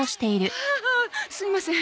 ああすみません。